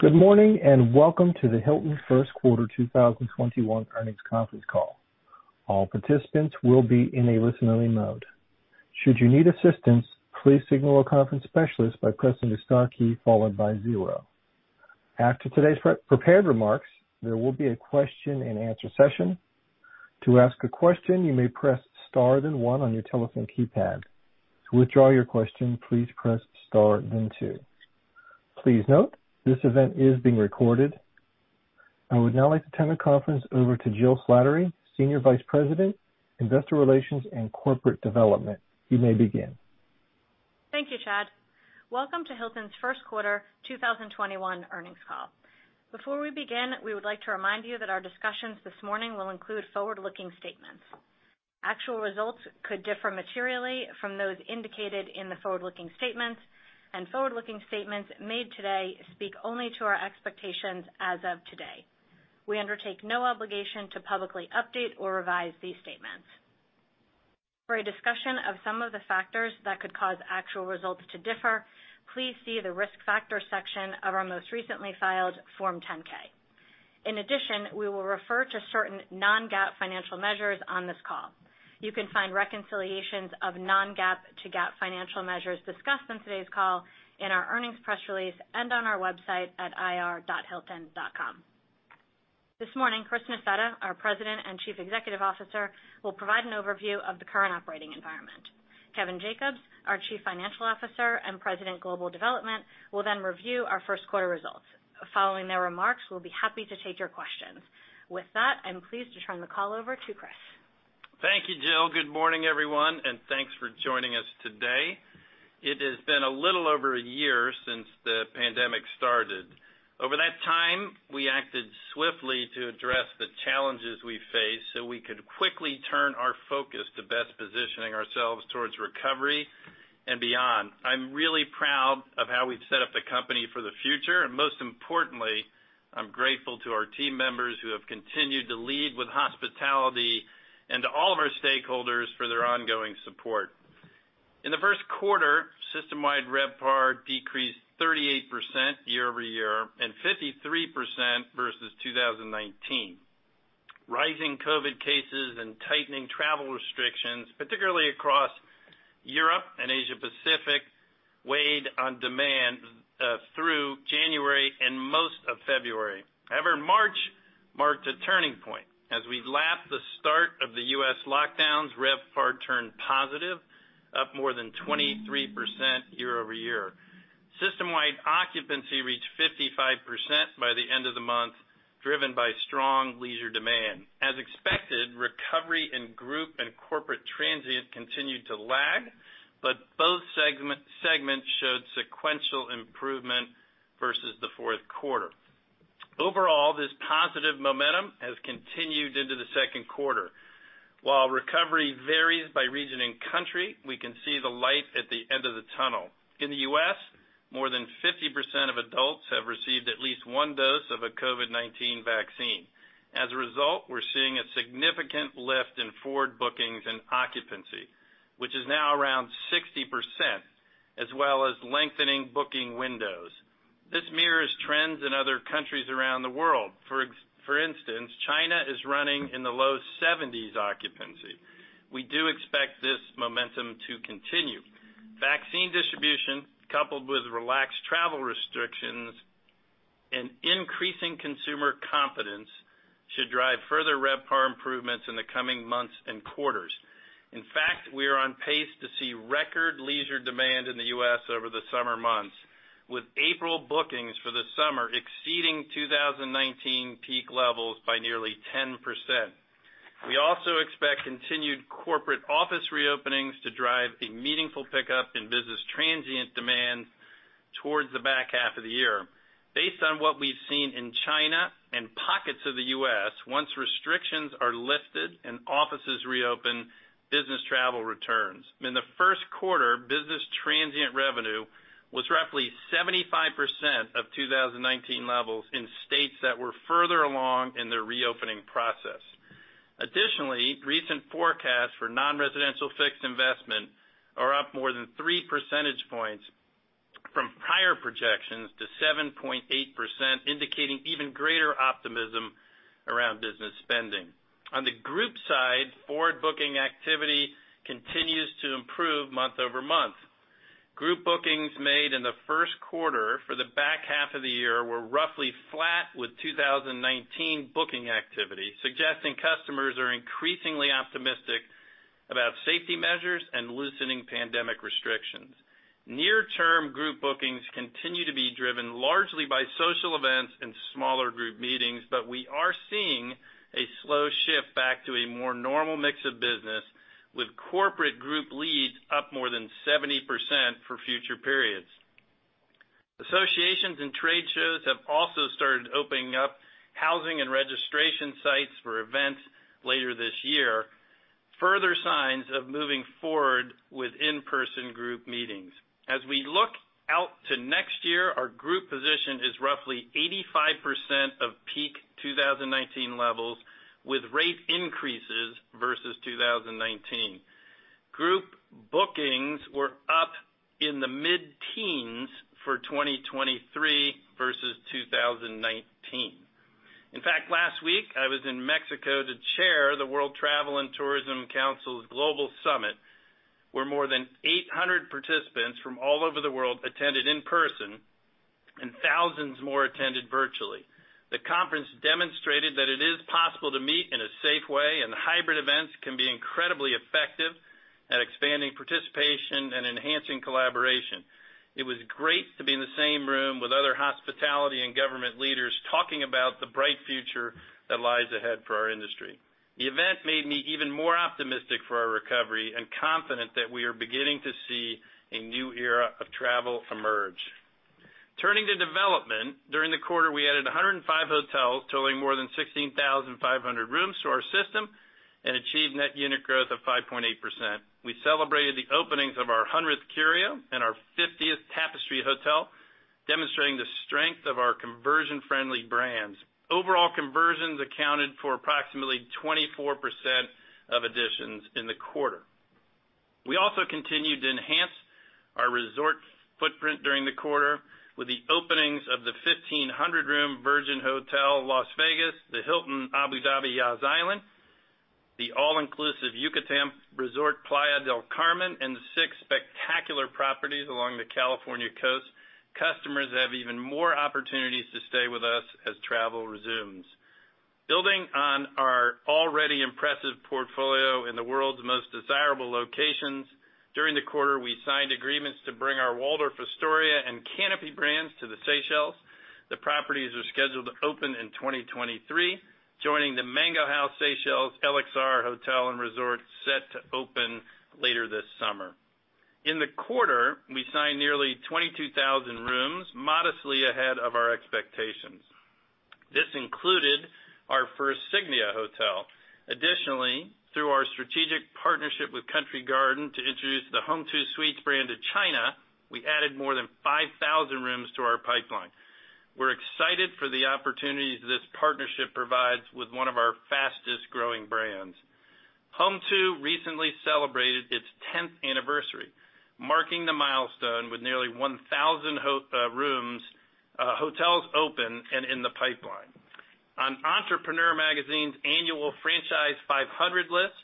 Good morning, and welcome to the Hilton first quarter 2021 earnings conference call. All participants will be in a listen-only mode. Should you need assistance, please signal our conference specialist by pressing the star key followed by zero. After today's prepared remarks, there will be a question-and-answer session. To ask a question, you may press star then one on your telephone keypad. To withdraw your question, please press star then two. Please note, this event is being recorded. I would now like to turn the conference over to Jill Slattery, Senior Vice President, Investor Relations and Corporate Development. You may begin. Thank you, Chad. Welcome to Hilton's first quarter 2021 earnings call. Before we begin, we would like to remind you that our discussions this morning will include forward-looking statements. Actual results could differ materially from those indicated in the forward-looking statements, and forward-looking statements made today speak only to our expectations as of today. We undertake no obligation to publicly update or revise these statements. For a discussion of some of the factors that could cause actual results to differ, please see the Risk Factors section of our most recently filed Form 10-K. In addition, we will refer to certain non-GAAP financial measures on this call. You can find reconciliations of non-GAAP to GAAP financial measures discussed on today's call in our earnings press release and on our website at ir.hilton.com. This morning, Chris Nassetta, our President and Chief Executive Officer, will provide an overview of the current operating environment. Kevin Jacobs, our Chief Financial Officer and President, Global Development, will then review our first quarter results. Following their remarks, we'll be happy to take your questions. With that, I'm pleased to turn the call over to Chris. Thank you, Jill. Good morning, everyone, and thanks for joining us today. It has been a little over a year since the pandemic started. Over that time, we acted swiftly to address the challenges we faced so we could quickly turn our focus to best positioning ourselves towards recovery and beyond. I'm really proud of how we've set up the company for the future, most importantly, I'm grateful to our team members who have continued to lead with hospitality and to all of our stakeholders for their ongoing support. In the first quarter, system-wide RevPAR decreased 38% year-over-year and 53% versus 2019. Rising COVID-19 cases and tightening travel restrictions, particularly across Europe and Asia Pacific, weighed on demand through January and most of February. However, March marked a turning point. As we lapped the start of the U.S. lockdowns, RevPAR turned positive, up more than 23% year-over-year. System-wide occupancy reached 55% by the end of the month, driven by strong leisure demand. As expected, recovery in group and corporate transient continued to lag, but both segments showed sequential improvement versus the fourth quarter. Overall, this positive momentum has continued into the second quarter. While recovery varies by region and country, we can see the light at the end of the tunnel. In the U.S., more than 50% of adults have received at least one dose of a COVID-19 vaccine. As a result, we're seeing a significant lift in forward bookings and occupancy, which is now around 60%, as well as lengthening booking windows. This mirrors trends in other countries around the world. For instance, China is running in the low 70%s occupancy. We do expect this momentum to continue. Vaccine distribution, coupled with relaxed travel restrictions and increasing consumer confidence, should drive further RevPAR improvements in the coming months and quarters. In fact, we are on pace to see record leisure demand in the U.S. over the summer months, with April bookings for the summer exceeding 2019 peak levels by nearly 10%. We also expect continued corporate office reopenings to drive a meaningful pickup in business transient demand towards the back half of the year. Based on what we've seen in China and pockets of the U.S., once restrictions are lifted and offices reopen, business travel returns. In the first quarter, business transient revenue was roughly 75% of 2019 levels in states that were further along in their reopening process. Additionally, recent forecasts for non-residential fixed investment are up more than 3 percentage points from prior projections to 7.8%, indicating even greater optimism around business spending. On the group side, forward booking activity continues to improve month-over-month. Group bookings made in the first quarter for the back half of the year were roughly flat with 2019 booking activity, suggesting customers are increasingly optimistic about safety measures and loosening pandemic restrictions. Near-term group bookings continue to be driven largely by social events and smaller group meetings. We are seeing a slow shift back to a more normal mix of business, with corporate group leads up more than 70% for future periods. Associations and trade shows have also started opening up housing and registration sites for events later this year, further signs of moving forward with in-person group meetings. As we look out to next year, our group position is roughly 85% of peak 2019 levels, with rate increases versus 2019. Group bookings were up in the mid-teens for 2023 versus 2019. In fact, last week, I was in Mexico to chair the World Travel & Tourism Council Global Summit, where more than 800 participants from all over the world attended in person and thousands more attended virtually. The conference demonstrated that it is possible to meet in a safe way, and hybrid events can be incredibly effective at expanding participation and enhancing collaboration. It was great to be in the same room with other hospitality and government leaders talking about the bright future that lies ahead for our industry. The event made me even more optimistic for our recovery and confident that we are beginning to see a new era of travel emerge. Turning to development, during the quarter, we added 105 hotels totaling more than 16,500 rooms to our system and achieved net unit growth of 5.8%. We celebrated the openings of our 100th Curio and our 50th Tapestry hotel, demonstrating the strength of our conversion-friendly brands. Overall conversions accounted for approximately 24% of additions in the quarter. We also continued to enhance our resort footprint during the quarter with the openings of the 1,500-room Virgin Hotels Las Vegas, the Hilton Abu Dhabi Yas Island, the all-inclusive The Yucatan Resort Playa del Carmen, and the six spectacular properties along the California coast. Customers have even more opportunities to stay with us as travel resumes. Building on our already impressive portfolio in the world's most desirable locations, during the quarter, we signed agreements to bring our Waldorf Astoria and Canopy brands to the Seychelles. The properties are scheduled to open in 2023, joining the Mango House Seychelles, LXR Hotels & Resorts set to open later this summer. In the quarter, we signed nearly 22,000 rooms modestly ahead of our expectations. This included our first Signia hotel. Additionally, through our strategic partnership with Country Garden to introduce the Home2 Suites brand to China, we added more than 5,000 rooms to our pipeline. We're excited for the opportunities this partnership provides with one of our fastest-growing brands. Home2 recently celebrated its 10th anniversary, marking the milestone with nearly 1,000 hotels open and in the pipeline. On Entrepreneur Magazine's annual Franchise 500 list,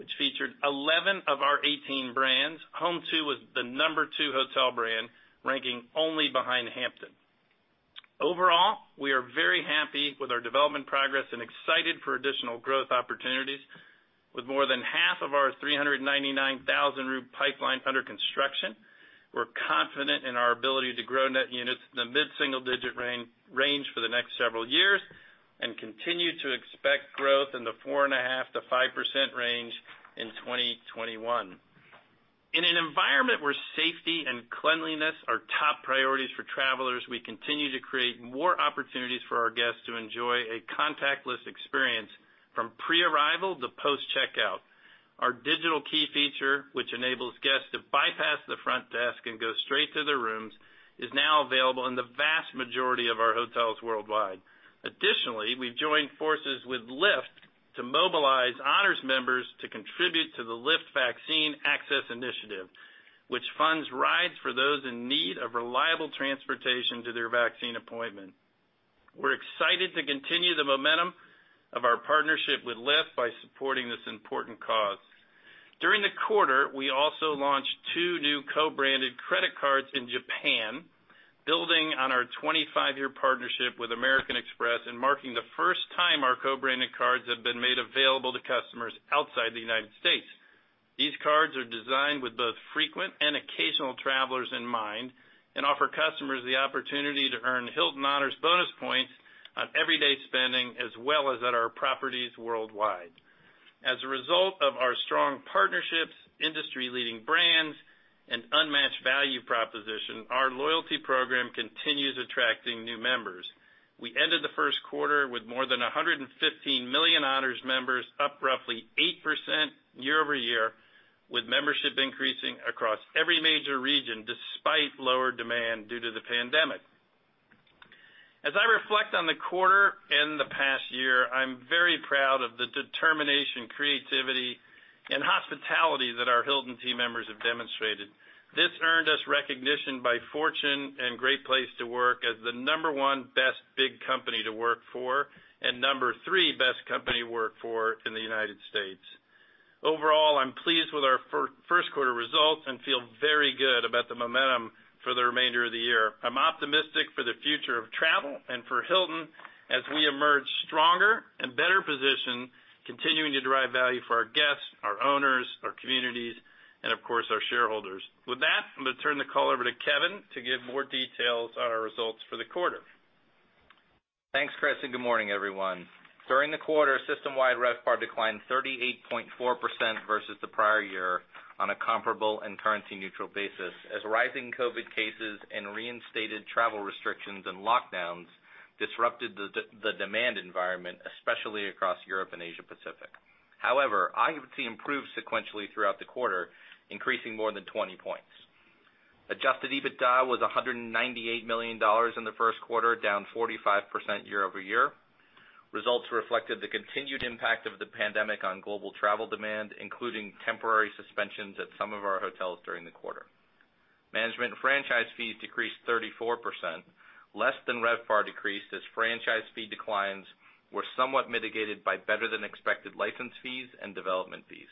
which featured 11 of our 18 brands, Home2 was the number two hotel brand, ranking only behind Hampton. Overall, we are very happy with our development progress and excited for additional growth opportunities. With more than half of our 399,000 room pipeline under construction, we're confident in our ability to grow net units in the mid-single-digit range for the next several years and continue to expect growth in the 4.5%-5% range in 2021. In an environment where safety and cleanliness are top priorities for travelers, we continue to create more opportunities for our guests to enjoy a contactless experience from pre-arrival to post-checkout. Our Digital Key feature, which enables guests to bypass the front desk and go straight to their rooms, is now available in the vast majority of our hotels worldwide. Additionally, we've joined forces with Lyft to mobilize Honors members to contribute to the Lyft Vaccine Access initiative, which funds rides for those in need of reliable transportation to their vaccine appointment. We're excited to continue the momentum of our partnership with Lyft by supporting this important cause. During the quarter, we also launched two new co-branded credit cards in Japan, building on our 25-year partnership with American Express and marking the first time our co-branded cards have been made available to customers outside the U.S. These cards are designed with both frequent and occasional travelers in mind and offer customers the opportunity to earn Hilton Honors bonus points on everyday spending, as well as at our properties worldwide. As a result of our strong partnerships, industry-leading brands, and unmatched value proposition, our loyalty program continues attracting new members. We ended the first quarter with more than 115 million Honors members, up roughly 8% year-over-year, with membership increasing across every major region despite lower demand due to the pandemic. As I reflect on the quarter and the past year, I'm very proud of the determination, creativity, and hospitality that our Hilton team members have demonstrated. This earned us recognition by Fortune and Great Place to Work as the number one Best Big Company to Work For and number three Best Company to Work For in the U.S. Overall, I'm pleased with our first quarter results and feel very good about the momentum for the remainder of the year. I'm optimistic for the future of travel and for Hilton as we emerge stronger and better positioned, continuing to derive value for our guests, our owners, our communities, and of course, our shareholders. With that, I'm going to turn the call over to Kevin to give more details on our results for the quarter. Thanks, Chris, and good morning, everyone. During the quarter, systemwide RevPAR declined 38.4% versus the prior year on a comparable and currency-neutral basis as rising COVID cases and reinstated travel restrictions and lockdowns disrupted the demand environment, especially across Europe and Asia Pacific. However, occupancy improved sequentially throughout the quarter, increasing more than 20 points. Adjusted EBITDA was $198 million in the first quarter, down 45% year-over-year. Results reflected the continued impact of the pandemic on global travel demand, including temporary suspensions at some of our hotels during the quarter. Management and franchise fees decreased 34%, less than RevPAR decrease, as franchise fee declines were somewhat mitigated by better than expected license fees and development fees.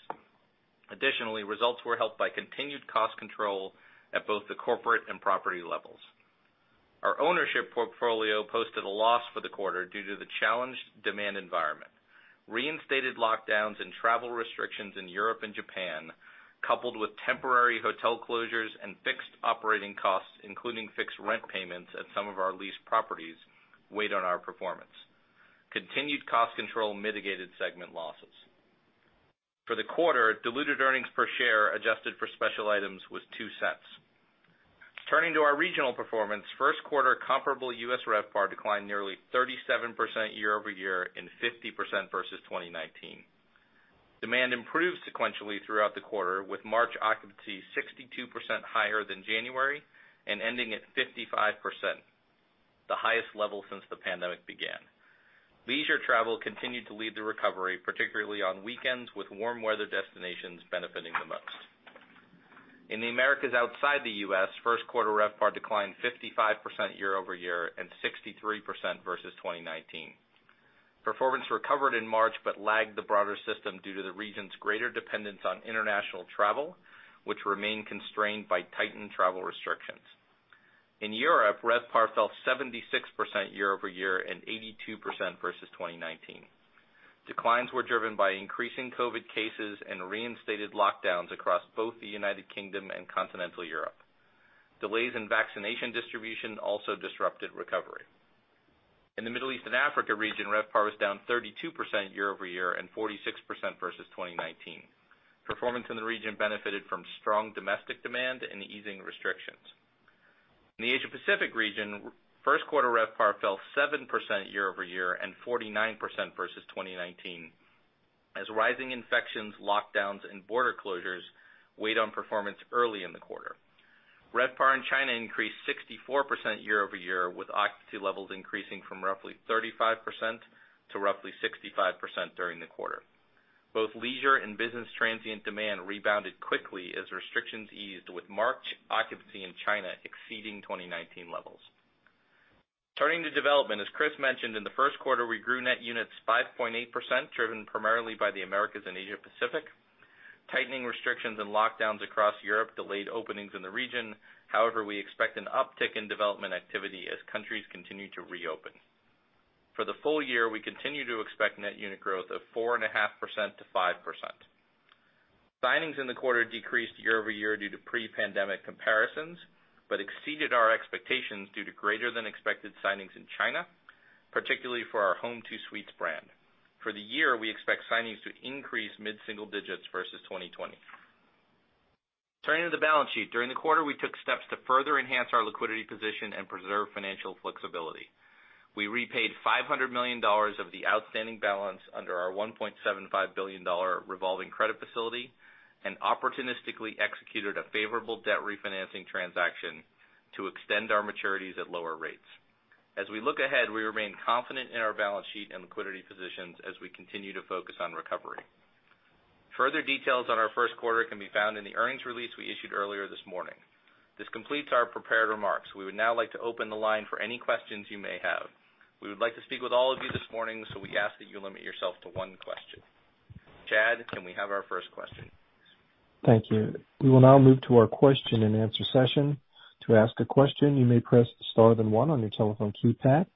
Additionally, results were helped by continued cost control at both the corporate and property levels. Our ownership portfolio posted a loss for the quarter due to the challenged demand environment. Reinstated lockdowns and travel restrictions in Europe and Japan, coupled with temporary hotel closures and fixed operating costs, including fixed rent payments at some of our leased properties, weighed on our performance. Continued cost control mitigated segment losses. For the quarter, diluted earnings per share adjusted for special items was $0.02. Turning to our regional performance, first quarter comparable U.S. RevPAR declined nearly 37% year-over-year and 50% versus 2019. Demand improved sequentially throughout the quarter, with March occupancy 62% higher than January and ending at 55%, the highest level since the pandemic began. Leisure travel continued to lead the recovery, particularly on weekends, with warm weather destinations benefiting the most. In the Americas outside the U.S., first quarter RevPAR declined 55% year-over-year and 63% versus 2019. Performance recovered in March, but lagged the broader system due to the region's greater dependence on international travel, which remained constrained by tightened travel restrictions. In Europe, RevPAR fell 76% year-over-year and 82% versus 2019. Declines were driven by increasing COVID cases and reinstated lockdowns across both the United Kingdom and continental Europe. Delays in vaccination distribution also disrupted recovery. In the Middle East and Africa region, RevPAR was down 32% year-over-year and 46% versus 2019. Performance in the region benefited from strong domestic demand and easing restrictions. In the Asia Pacific region, first quarter RevPAR fell 7% year-over-year and 49% versus 2019, as rising infections, lockdowns, and border closures weighed on performance early in the quarter. RevPAR in China increased 64% year-over-year, with occupancy levels increasing from roughly 35% to roughly 65% during the quarter. Both leisure and business transient demand rebounded quickly as restrictions eased, with March occupancy in China exceeding 2019 levels. Turning to development, as Chris mentioned, in the first quarter, we grew net units 5.8%, driven primarily by the Americas and Asia Pacific. Tightening restrictions and lockdowns across Europe delayed openings in the region. However, we expect an uptick in development activity as countries continue to reopen. For the full year, we continue to expect net unit growth of 4.5%-5%. Signings in the quarter decreased year-over-year due to pre-pandemic comparisons, but exceeded our expectations due to greater than expected signings in China, particularly for our Home2 Suites brand. For the year, we expect signings to increase mid-single digits versus 2020. Turning to the balance sheet, during the quarter, we took steps to further enhance our liquidity position and preserve financial flexibility. We repaid $500 million of the outstanding balance under our $1.75 billion revolving credit facility and opportunistically executed a favorable debt refinancing transaction to extend our maturities at lower rates. As we look ahead, we remain confident in our balance sheet and liquidity positions as we continue to focus on recovery. Further details on our first quarter can be found in the earnings release we issued earlier this morning. This completes our prepared remarks. We would now like to open the line for any questions you may have. We would like to speak with all of you this morning, so we ask that you limit yourself to one question. Chad, can we have our first question? Thank you. We will now move to our question-and-answer session. To ask a question, you may press star then one on your telephone keypad.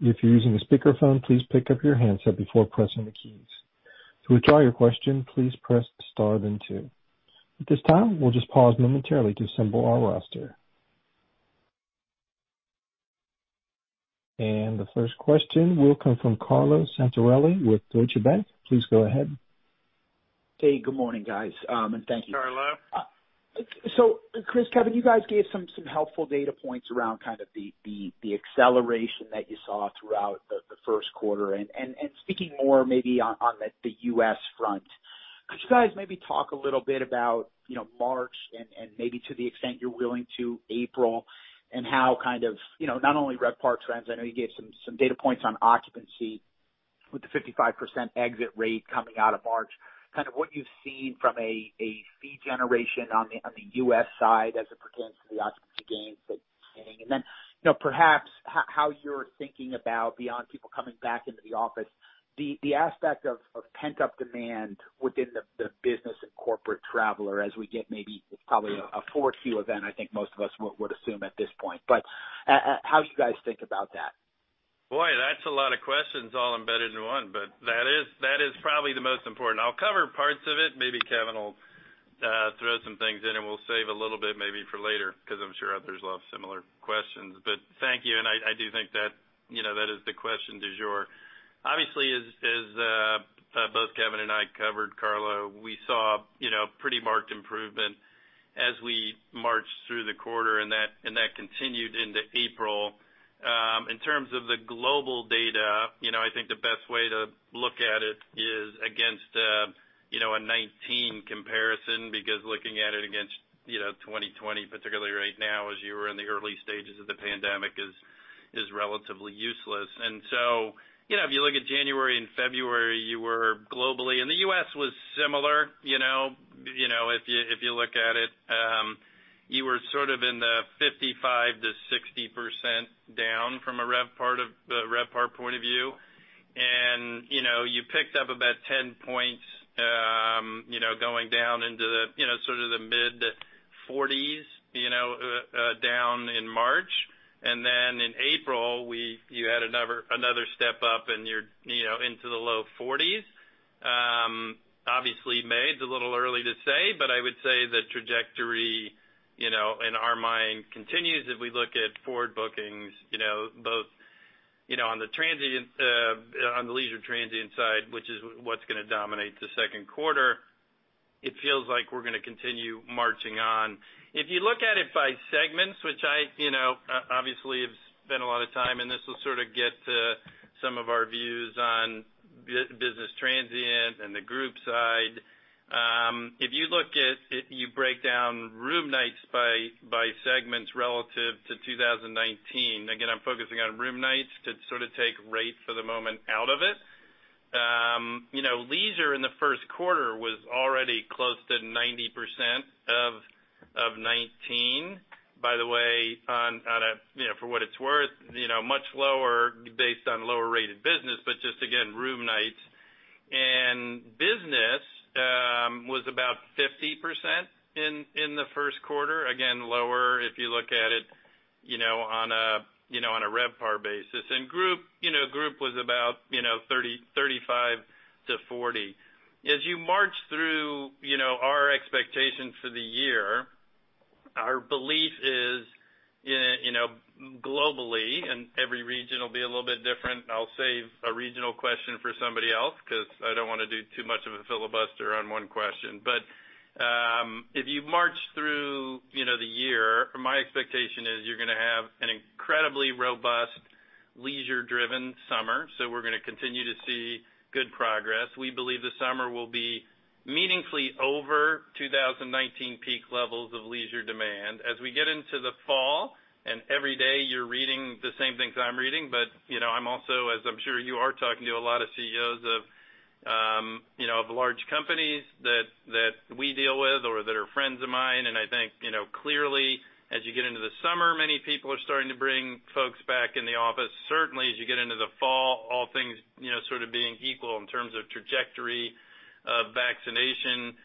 If you are using a speaker phone, please pick up your hands before pressing the keys. To withdraw your question, please press star then two. At this time, we'll just pause momentarily to assemble our roster. The first question will come from Carlo Santarelli with Deutsche Bank. Please go ahead. Hey, good morning, guys, and thank you. Carlo. Chris, Kevin, you guys gave some helpful data points around kind of the acceleration that you saw throughout the first quarter. Speaking more maybe on the U.S. front, could you guys maybe talk a little bit about March, and maybe to the extent you're willing to, April, and how kind of not only RevPAR trends, I know you gave some data points on occupancy with the 55% exit rate coming out of March, kind of what you've seen from a fee generation on the U.S. side as it pertains to the occupancy gains that you're seeing. Perhaps how you're thinking about, beyond people coming back into the office, the aspect of pent-up demand within the business and corporate traveler as we get maybe, it's probably a fourth Q event, I think most of us would assume at this point, but how you guys think about that? Boy, that's a lot of questions all embedded into one. That is probably the most important. I'll cover parts of it. Maybe Kevin will throw some things in, and we'll save a little bit maybe for later, because I'm sure others will have similar questions. Thank you, and I do think that is the question du jour. Obviously, as both Kevin and I covered, Carlo, we saw pretty marked improvement as we marched through the quarter, and that continued into April. In terms of the global data, I think the best way to look at it against a 2019 comparison, because looking at it against 2020, particularly right now as you were in the early stages of the pandemic, is relatively useless. If you look at January and February, you were globally and the U.S. was similar, if you look at it. You were sort of in the 55%-60% down from a RevPAR point of view. You picked up about 10 points going down into the mid 40%s, down in March. In April, you had another step up into the low 40%s. Obviously, May is a little early to say, but I would say the trajectory in our mind continues as we look at forward bookings both on the leisure transient side, which is what's going to dominate the second quarter. It feels like we're going to continue marching on. If you look at it by segments, which I obviously have spent a lot of time, and this will sort of get to some of our views on business transient and the group side. If you break down room nights by segments relative to 2019, again, I'm focusing on room nights to take rate for the moment out of it. Leisure in the first quarter was already close to 90% of 2019. By the way, for what it's worth, much lower based on lower rated business, but just again, room nights. Business was about 50% in the first quarter. Again, lower if you look at it on a RevPAR basis. Group was about 35%-40%. As you march through our expectations for the year, our belief is globally, and every region will be a little bit different. I'll save a regional question for somebody else, because I don't want to do too much of a filibuster on one question. If you march through the year, my expectation is you're going to have an incredibly robust leisure-driven summer. We're going to continue to see good progress. We believe the summer will be meaningfully over 2019 peak levels of leisure demand. As we get into the fall, and every day you're reading the same things I'm reading, but I'm also, as I'm sure you are, talking to a lot of CEOs of large companies that we deal with or that are friends of mine. I think, clearly, as you get into the summer, many people are starting to bring folks back in the office. Certainly, as you get into the fall, all things sort of being equal in terms of trajectory of vaccination,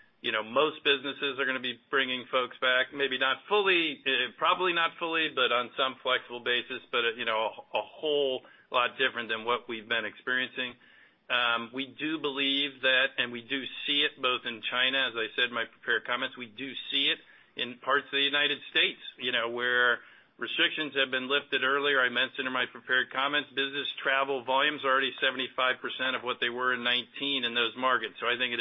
most businesses are going to be bringing folks back, maybe not fully, probably not fully, but on some flexible basis. A whole lot different than what we've been experiencing. We do believe that, and we do see it both in China, as I said in my prepared comments, we do see it in parts of the United States, where restrictions have been lifted earlier. I mentioned in my prepared comments, business travel volumes are already 75% of what they were in 2019 in those markets. I think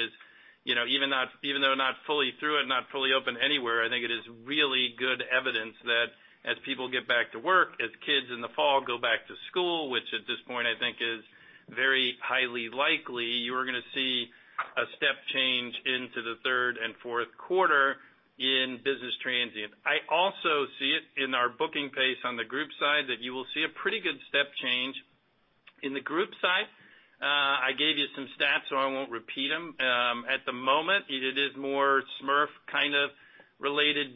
even though we're not fully through it, not fully open anywhere, I think it is really good evidence that as people get back to work, as kids in the fall go back to school, which at this point I think is very highly likely, you are going to see a step change into the third and fourth quarter in business transient. I also see it in our booking pace on the group side that you will see a pretty good step change in the group side. I gave you some stats, so I won't repeat them. At the moment, it is more SMERF kind of related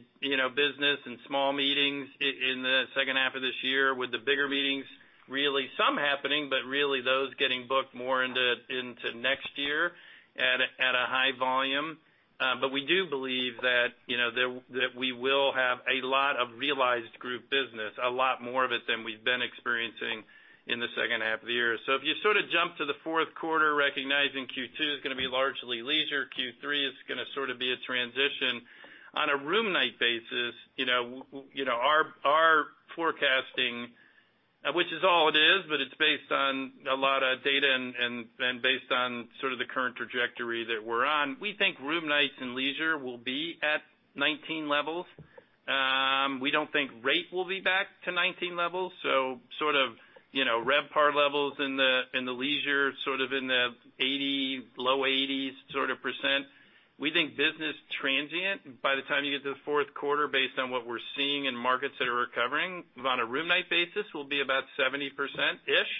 business and small meetings in the second half of this year, with the bigger meetings really some happening, but really those getting booked more into next year at a high volume. We do believe that we will have a lot of realized group business, a lot more of it than we've been experiencing in the second half of the year. If you jump to the fourth quarter, recognizing Q2 is going to be largely leisure, Q3 is going to be a transition. On a room night basis, our forecasting, which is all it is, but it's based on a lot of data and based on the current trajectory that we're on. We think room nights and leisure will be at 2019 levels. We don't think rate will be back to 2019 levels. RevPAR levels in the leisure in the low 80%s. We think business transient, by the time you get to the fourth quarter, based on what we're seeing in markets that are recovering on a room night basis, will be about 70%-ish.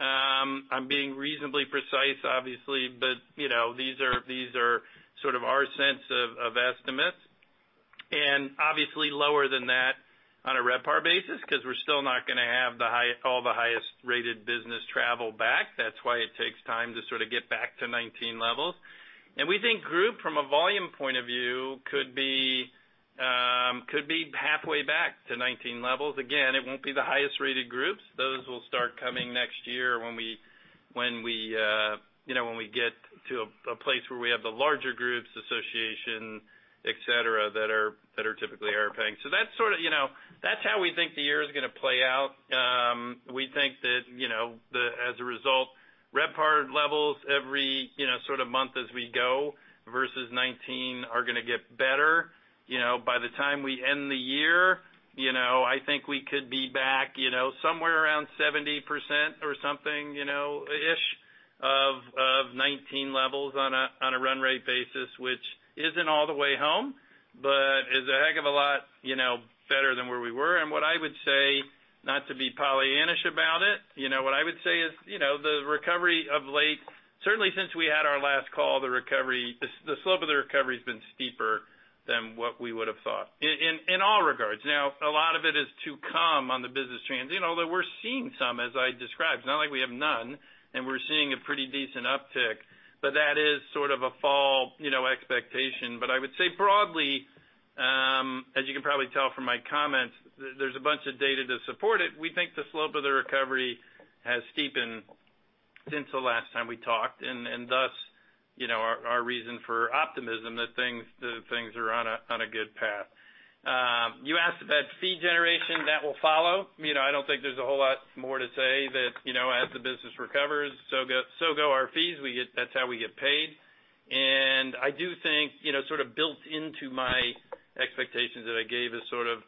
I'm being reasonably precise, obviously, but these are our sense of estimates. Obviously lower than that on a RevPAR basis, because we're still not going to have all the highest rated business travel back. That's why it takes time to get back to 2019 levels. We think group, from a volume point of view, could be halfway back to 2019 levels. Again, it won't be the highest rated groups. Those will start coming next year when we get to a place where we have the larger groups association, et cetera, that are typically RFPs. That's how we think the year is going to play out. We think that as a result, RevPAR levels every month as we go versus 2019 are going to get better. By the time we end the year, I think we could be back somewhere around 70% or something-ish, of 2019 levels on a run rate basis, which isn't all the way home, but is a heck of a lot better than where we were. What I would say, not to be pollyannish about it, what I would say is, the recovery of late, certainly since we had our last call, the slope of the recovery's been steeper than what we would've thought, in all regards. Now, a lot of it is to come on the business trends. Although we're seeing some, as I described, it's not like we have none, and we're seeing a pretty decent uptick, but that is sort of a fall expectation. I would say broadly, as you can probably tell from my comments, there's a bunch of data to support it. We think the slope of the recovery has steepened since the last time we talked, and thus, our reason for optimism that things are on a good path. You asked about fee generation, that will follow. I don't think there's a whole lot more to say than, as the business recovers, so go our fees. That's how we get paid. I do think, built into my expectations that I gave is sort of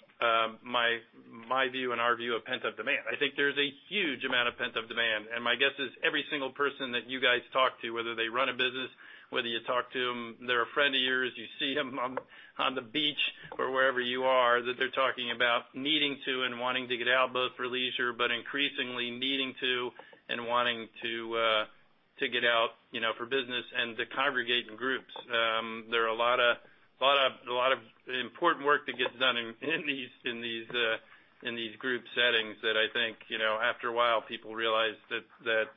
my view and our view of pent-up demand. I think there's a huge amount of pent-up demand. My guess is every single person that you guys talk to, whether they run a business, whether you talk to them, they're a friend of yours, you see them on the beach or wherever you are, that they're talking about needing to and wanting to get out, both for leisure, but increasingly needing to and wanting to get out for business and to congregate in groups. There are a lot of important work that gets done in these group settings that I think, after a while, people realize that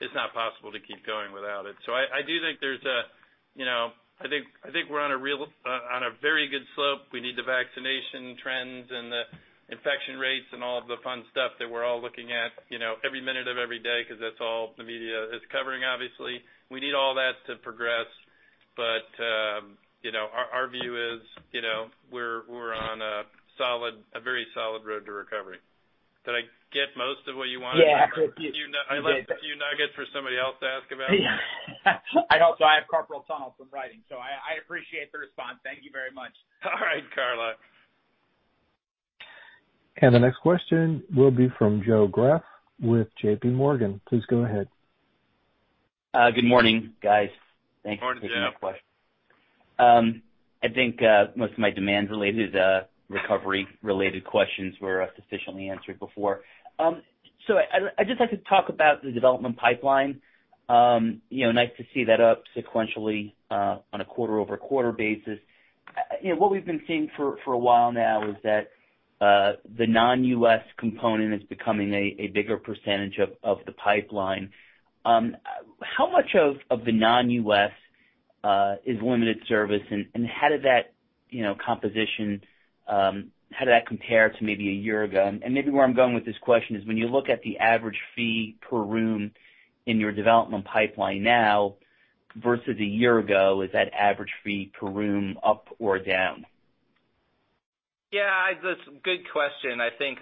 it's not possible to keep going without it. I do think we're on a very good slope. We need the vaccination trends and the infection rates and all of the fun stuff that we're all looking at every minute of every day, because that's all the media is covering, obviously. We need all that to progress. Our view is we're on a very solid road to recovery. Did I get most of what you wanted? Yeah. I left a few nuggets for somebody else to ask about. Yeah. Also, I have carpal tunnel from writing, so I appreciate the response. Thank you very much. All right, Carlo. The next question will be from Joe Greff with JPMorgan. Please go ahead. Good morning, guys. Good morning, Joe. Thanks for taking my question. I think, most of my demands related to recovery related questions were sufficiently answered before. I'd just like to talk about the development pipeline. Nice to see that up sequentially, on a quarter-over-quarter basis. What we've been seeing for a while now is that the non-U.S. component is becoming a bigger percentage of the pipeline. How much of the non-U.S. is limited service, and how did that composition compare to maybe a year ago? Maybe where I'm going with this question is when you look at the average fee per room in your development pipeline now versus a year ago, is that average fee per room up or down? Yeah, that's a good question. I think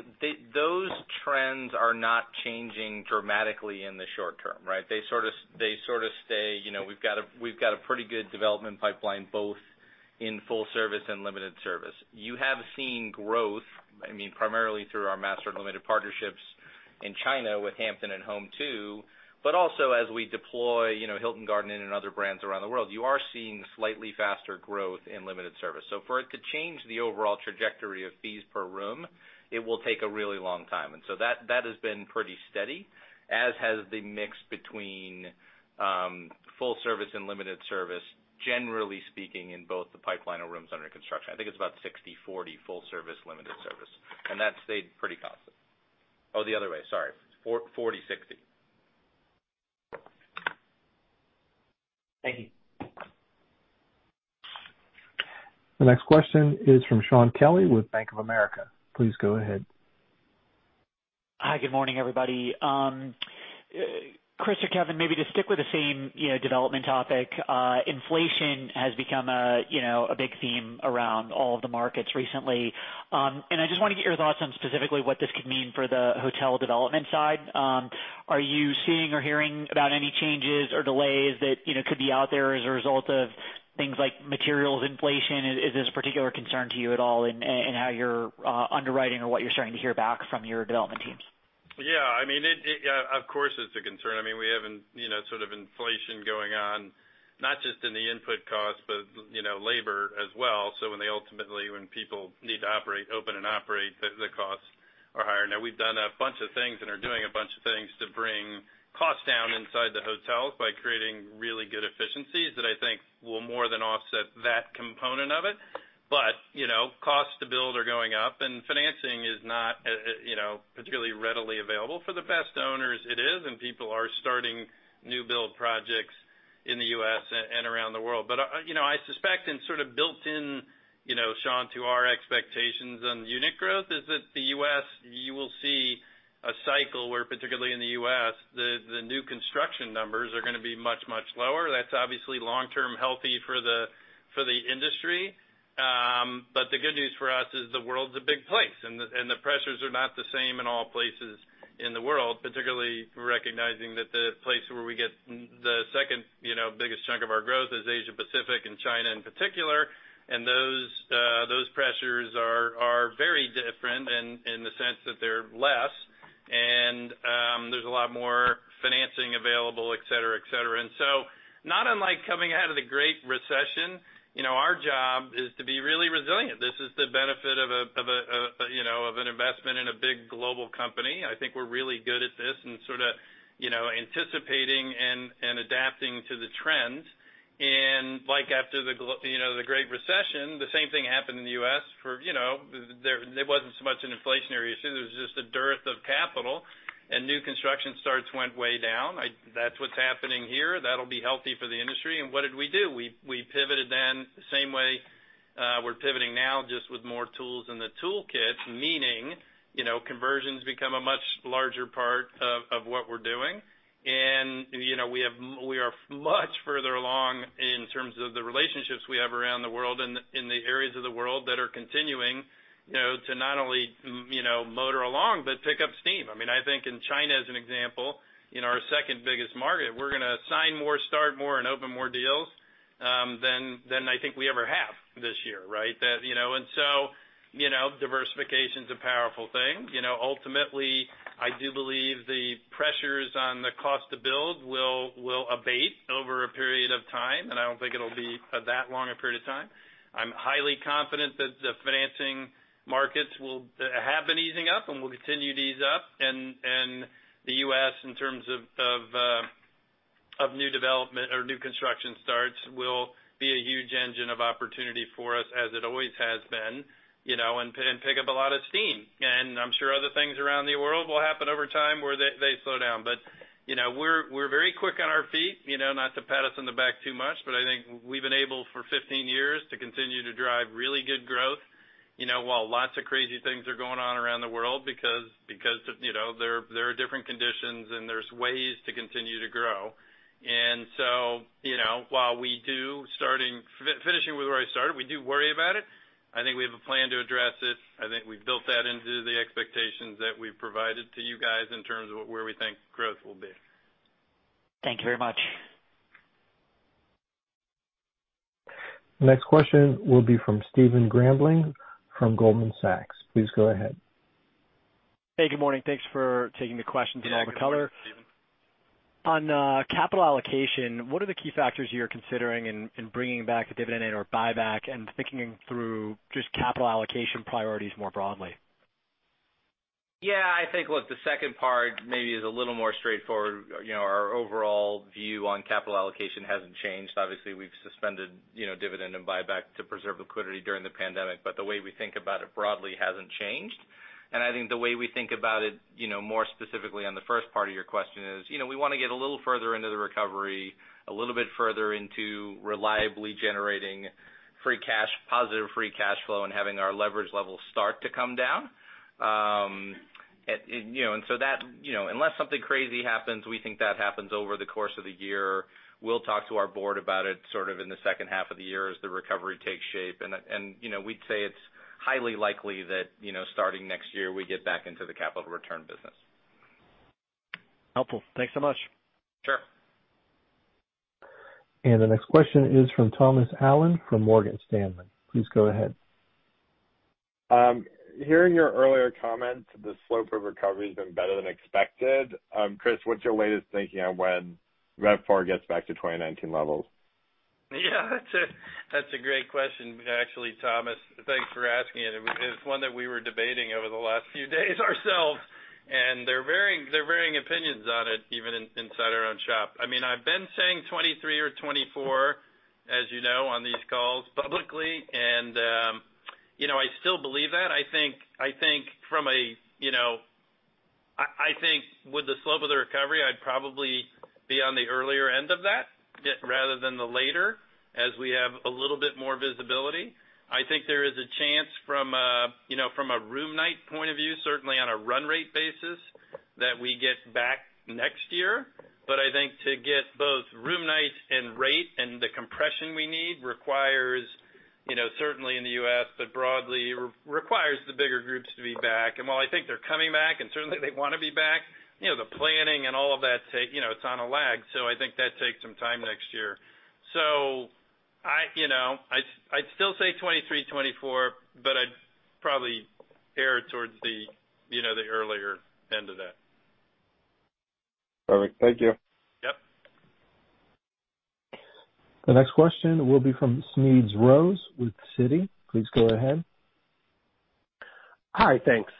those trends are not changing dramatically in the short term, right? They sort of stay. We've got a pretty good development pipeline, both in full service and limited service. You have seen growth, primarily through our master limited partnerships in China with Hampton and Home2, but also as we deploy Hilton Garden Inn and other brands around the world. You are seeing slightly faster growth in limited service. For it to change the overall trajectory of fees per room, it will take a really long time, and so that has been pretty steady, as has the mix between full service and limited service, generally speaking, in both the pipeline or rooms under construction. I think it's about 60/40 full service, limited service. That's stayed pretty constant. Oh, the other way, sorry. 40/60. Thank you. The next question is from Shaun Kelley with Bank of America. Please go ahead. Hi. Good morning, everybody. Chris or Kevin, maybe to stick with the same development topic, inflation has become a big theme around all of the markets recently. I just wanted to get your thoughts on specifically what this could mean for the hotel development side. Are you seeing or hearing about any changes or delays that could be out there as a result of things like materials inflation? Is this a particular concern to you at all in how you're underwriting or what you're starting to hear back from your development teams? Yeah. Of course, it's a concern. We have inflation going on, not just in the input costs, but labor as well. Ultimately, when people need to open and operate, the costs are higher. Now, we've done a bunch of things and are doing a bunch of things to bring costs down inside the hotels by creating really good efficiencies that I think will more than offset that component of it. Costs to build are going up, and financing is not particularly readily available. For the best owners, it is, and people are starting new build projects in the U.S. and around the world. I suspect, and sort of built in, Shaun, to our expectations on unit growth is that the U.S., you will see a cycle where, particularly in the U.S., the new construction numbers are going to be much, much lower. That's obviously long-term healthy for the industry. The good news for us is the world's a big place, and the pressures are not the same in all places. In the world, particularly recognizing that the place where we get the second biggest chunk of our growth is Asia-Pacific and China in particular, those pressures are very different in the sense that they're less, and there's a lot more financing available, et cetera. Not unlike coming out of the Great Recession, our job is to be really resilient. This is the benefit of an investment in a big global company. I think we're really good at this and sort of anticipating and adapting to the trends. Like after the Great Recession, the same thing happened in the U.S. There wasn't so much an inflationary issue, there was just a dearth of capital, and new construction starts went way down. That's what's happening here. That'll be healthy for the industry. What did we do? We pivoted then the same way we're pivoting now, just with more tools in the toolkit, meaning, conversions become a much larger part of what we're doing. We are much further along in terms of the relationships we have around the world and in the areas of the world that are continuing to not only motor along, but pick up steam. I think in China, as an example, our second biggest market, we're going to sign more, start more, and open more deals than I think we ever have this year, right? Diversification's a powerful thing. Ultimately, I do believe the pressures on the cost to build will abate over a period of time, and I don't think it'll be that long a period of time. I'm highly confident that the financing markets have been easing up and will continue to ease up. The U.S., in terms of new development or new construction starts, will be a huge engine of opportunity for us as it always has been, and pick up a lot of steam. I'm sure other things around the world will happen over time where they slow down. We're very quick on our feet. Not to pat us on the back too much, but I think we've been able for 15 years to continue to drive really good growth while lots of crazy things are going on around the world because there are different conditions, and there's ways to continue to grow. While we do finishing where I started, we do worry about it. I think we have a plan to address it. I think we've built that into the expectations that we've provided to you guys in terms of where we think growth will be. Thank you very much. Next question will be from Stephen Grambling from Goldman Sachs. Please go ahead. Hey, good morning. Thanks for taking the questions and all the color. Good morning, Stephen. On capital allocation, what are the key factors you're considering in bringing back the dividend and/or buyback and thinking through just capital allocation priorities more broadly? Yeah, I think, look, the second part maybe is a little more straightforward. Our overall view on capital allocation hasn't changed. Obviously, we've suspended dividend and buyback to preserve liquidity during the pandemic. The way we think about it broadly hasn't changed. I think the way we think about it, more specifically on the first part of your question is, we want to get a little further into the recovery, a little bit further into reliably generating positive free cash flow, and having our leverage levels start to come down. Unless something crazy happens, we think that happens over the course of the year. We'll talk to our board about it sort of in the second half of the year as the recovery takes shape. We'd say it's highly likely that starting next year, we get back into the capital return business. Helpful. Thanks so much. Sure. The next question is from Thomas Allen from Morgan Stanley. Please go ahead. Hearing your earlier comments, the slope of recovery has been better than expected. Chris, what's your latest thinking on when RevPAR gets back to 2019 levels? Yeah. That's a great question, actually, Thomas. Thanks for asking it. It's one that we were debating over the last few days ourselves, and there are varying opinions on it even inside our own shop. I've been saying 2023 or 2024, as you know, on these calls publicly, and I still believe that. I think with the slope of the recovery, I'd probably be on the earlier end of that rather than the later, as we have a little bit more visibility. I think there is a chance from a room night point of view, certainly on a run rate basis, that we get back next year. But I think to get both room night and rate and the compression we need requires, certainly in the U.S., but broadly, requires the bigger groups to be back. While I think they're coming back, and certainly they want to be back, the planning and all of that, it's on a lag. I think that takes some time next year. I'd still say 2023, 2024, but I'd probably err towards the earlier end of that. Perfect. Thank you. Yep. The next question will be from Smedes Rose with Citi. Please go ahead. Hi, thanks.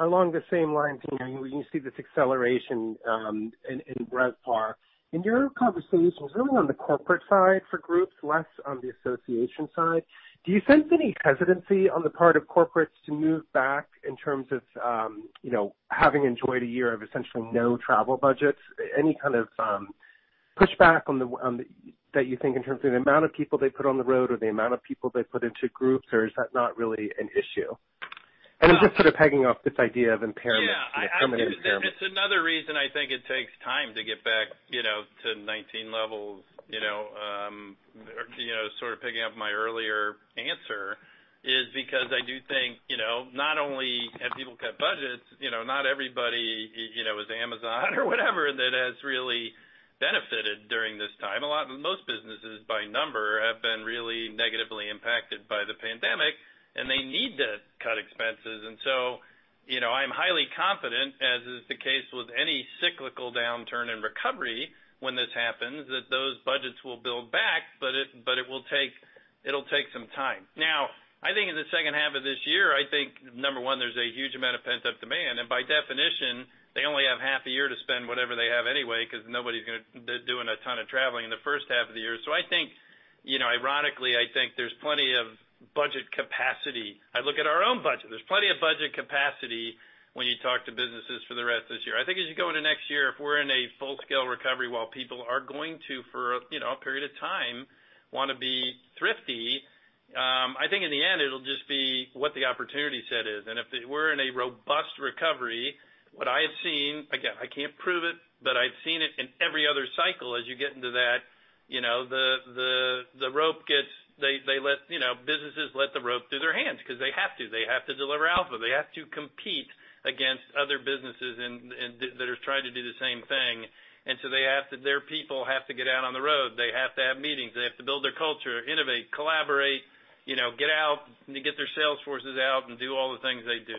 Along the same lines, when you see this acceleration in RevPAR, in your conversations, really on the corporate side for groups, less on the association side, do you sense any hesitancy on the part of corporates to move back in terms of having enjoyed a year of essentially no travel budgets? Any kind of pushback that you think in terms of the amount of people they put on the road or the amount of people they put into groups, or is that not really an issue? I'm just sort of pegging off this idea of impairment. Yeah I mean, permanent impairment. It's another reason I think it takes time to get back to 2019 levels. Sort of picking up my earlier answer is because I do think, not only have people cut budgets, not everybody is Amazon or whatever, that has really benefited during this time. Most businesses by number have been really negatively impacted by the pandemic, and they need to cut expenses. I'm highly confident, as is the case with any cyclical downturn in recovery when this happens, that those budgets will build back, but it'll take some time. I think in the second half of this year, I think, number one, there's a huge amount of pent-up demand, and by definition, they only have half a year to spend whatever they have anyway because nobody's going to be doing a ton of traveling in the first half of the year. Ironically, I think there's plenty of budget capacity. I look at our own budget. There's plenty of budget capacity when you talk to businesses for the rest of this year. I think as you go into next year, if we're in a full-scale recovery, while people are going to, for a period of time, want to be thrifty, I think in the end it'll just be what the opportunity set is. If we're in a robust recovery, what I have seen, again, I can't prove it, but I've seen it in every other cycle as you get into that, businesses let the rope through their hands because they have to. They have to deliver alpha. They have to compete against other businesses that are trying to do the same thing. Their people have to get out on the road. They have to have meetings. They have to build their culture, innovate, collaborate, get out, and get their sales forces out and do all the things they do.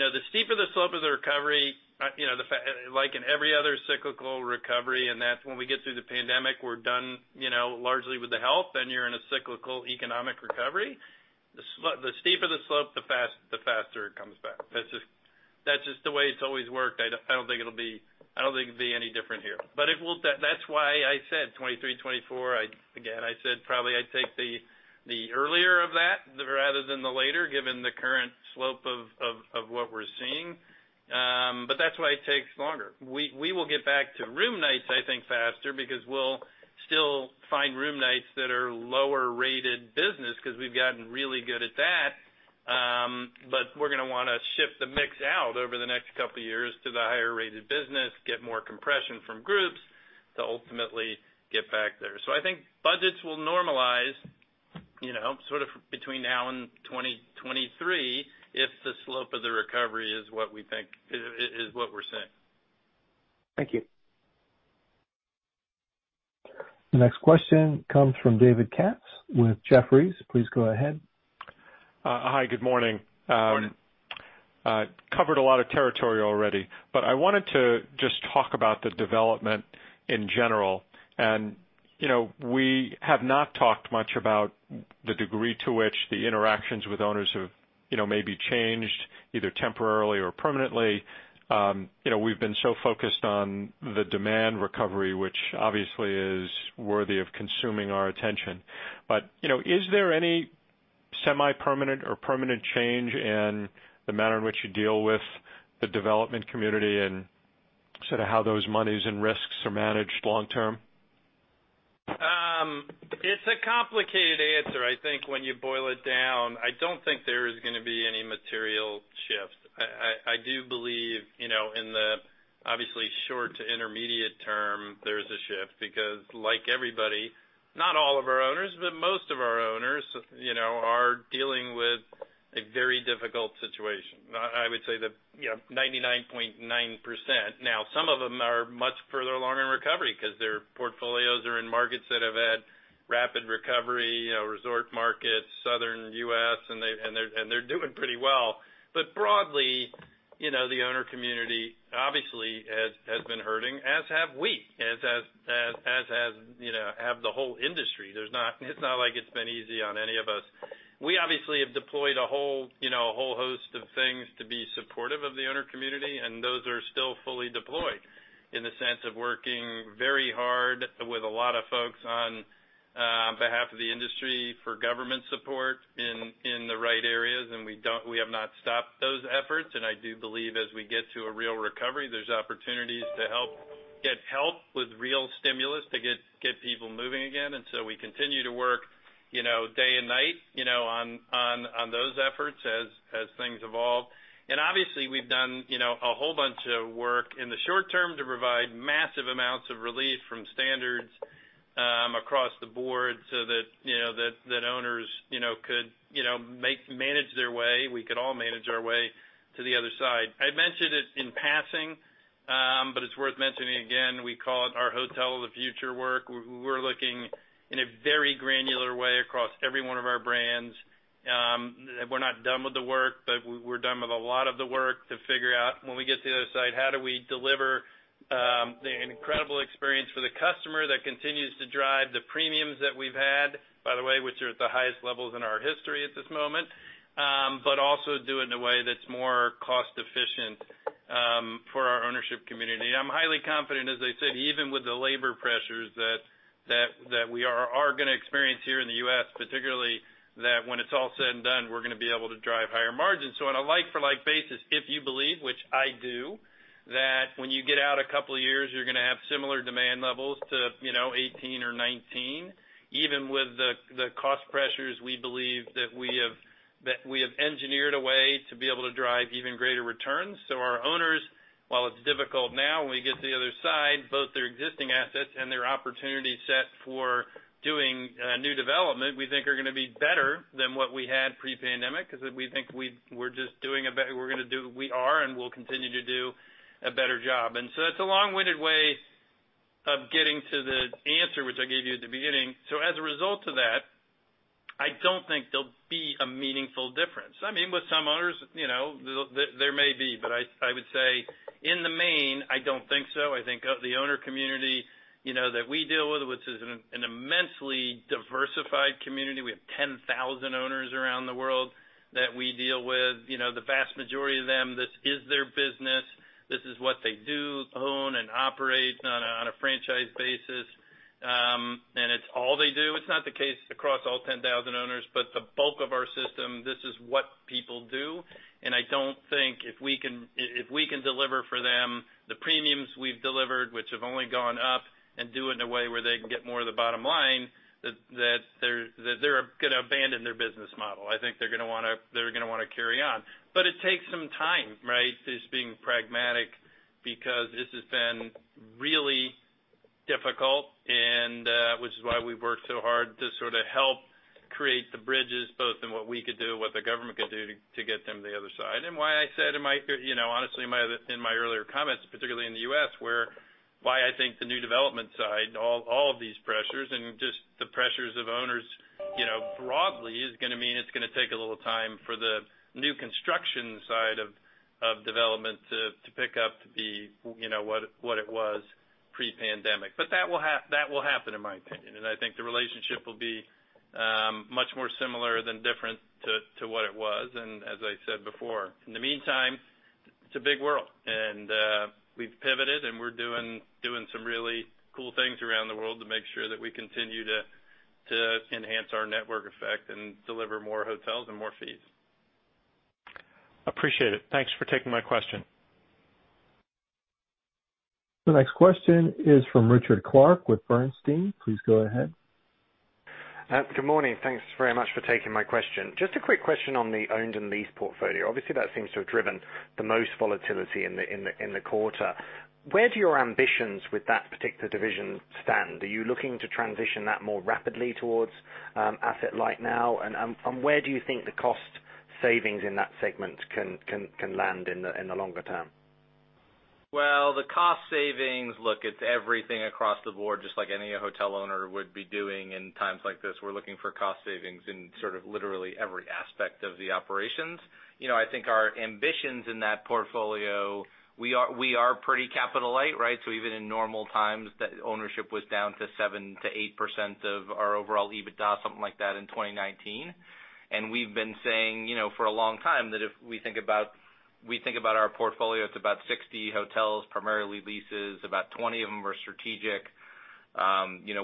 The steeper the slope of the recovery, like in every other cyclical recovery, and that's when we get through the pandemic, we're done largely with the health, then you're in a cyclical economic recovery. The steeper the slope, the faster it comes back. That's just the way it's always worked. I don't think it'll be any different here. That's why I said 2023, 2024. Again, I said probably I'd take the earlier of that rather than the later, given the current slope of what we're seeing. That's why it takes longer. We will get back to room nights, I think, faster because we'll still find room nights that are lower rated business because we've gotten really good at that. We're going to want to ship the mix out over the next couple of years to the higher rated business, get more compression from groups to ultimately get back there. I think budgets will normalize between now and 2023 if the slope of the recovery is what we're seeing. Thank you. The next question comes from David Katz with Jefferies. Please go ahead. Hi, good morning. Morning. Covered a lot of territory already, but I wanted to just talk about the development in general. We have not talked much about the degree to which the interactions with owners have maybe changed either temporarily or permanently. We've been so focused on the demand recovery, which obviously is worthy of consuming our attention. Is there any semi-permanent or permanent change in the manner in which you deal with the development community and how those monies and risks are managed long term? It's a complicated answer. I think when you boil it down, I don't think there is going to be any material shift. I do believe, in the obviously short to intermediate term, there's a shift because like everybody, not all of our owners, but most of our owners are dealing with a very difficult situation. I would say that 99.9%. Now, some of them are much further along in recovery because their portfolios are in markets that have had rapid recovery, resort markets, Southern U.S., and they're doing pretty well. Broadly, the owner community obviously has been hurting, as have we, as have the whole industry. It's not like it's been easy on any of us. We obviously have deployed a whole host of things to be supportive of the owner community. Those are still fully deployed in the sense of working very hard with a lot of folks on behalf of the industry for government support in the right areas. We have not stopped those efforts. I do believe as we get to a real recovery, there's opportunities to get help with real stimulus to get people moving again. We continue to work day and night on those efforts as things evolve. Obviously, we've done a whole bunch of work in the short term to provide massive amounts of relief from standards across the board so that owners could manage their way. We could all manage our way to the other side. I mentioned it in passing, but it's worth mentioning again, we call it our "Hotel of the Future" work. We're looking in a very granular way across every one of our brands. We're not done with the work, but we're done with a lot of the work to figure out when we get to the other side, how do we deliver the incredible experience for the customer that continues to drive the premiums that we've had, by the way, which are at the highest levels in our history at this moment, but also do it in a way that's more cost efficient for our ownership community. I'm highly confident, as I said, even with the labor pressures that we are going to experience here in the U.S., particularly that when it's all said and done, we're going to be able to drive higher margins. On a like for like basis, if you believe, which I do, that when you get out a couple of years, you're going to have similar demand levels to 2018 or 2019. Even with the cost pressures, we believe that we have engineered a way to be able to drive even greater returns. Our owners, while it's difficult now, when we get to the other side, both their existing assets and their opportunity set for doing new development, we think are going to be better than what we had pre-pandemic. We are and will continue to do a better job. It's a long-winded way of getting to the answer which I gave you at the beginning. As a result of that, I don't think there'll be a meaningful difference. With some owners, there may be, but I would say in the main, I don't think so. I think the owner community that we deal with, which is an immensely diversified community. We have 10,000 owners around the world that we deal with. The vast majority of them, this is their business. This is what they do, own, and operate on a franchise basis. It's all they do. It's not the case across all 10,000 owners, but the bulk of our system, this is what people do. I don't think if we can deliver for them the premiums we've delivered, which have only gone up, and do it in a way where they can get more of the bottom line, that they're going to abandon their business model. I think they're going to want to carry on. It takes some time, right? Just being pragmatic, because this has been really difficult, which is why we've worked so hard to sort of help create the bridges, both in what we could do and what the government could do to get them to the other side. Why I said, honestly, in my earlier comments, particularly in the U.S., where why I think the new development side, all of these pressures and just the pressures of owners, broadly, is going to mean it's going to take a little time for the new construction side of development to pick up to be what it was pre-pandemic. That will happen, in my opinion, and I think the relationship will be much more similar than different to what it was. As I said before, in the meantime, it's a big world, and we've pivoted, and we're doing some really cool things around the world to make sure that we continue to enhance our network effect and deliver more hotels and more fees. Appreciate it. Thanks for taking my question. The next question is from Richard Clarke with Bernstein. Please go ahead. Good morning. Thanks very much for taking my question. Just a quick question on the owned and leased portfolio. Obviously, that seems to have driven the most volatility in the quarter. Where do your ambitions with that particular division stand? Are you looking to transition that more rapidly towards asset light now? Where do you think the cost savings in that segment can land in the longer term? The cost savings, look, it's everything across the board, just like any hotel owner would be doing in times like this. We're looking for cost savings in sort of literally every aspect of the operations. I think our ambitions in that portfolio, we are pretty capital light, right? Even in normal times, the ownership was down to 7%-8% of our overall EBITDA, something like that, in 2019. We've been saying for a long time that if we think about our portfolio, it's about 60 hotels, primarily leases. About 20 of them are strategic.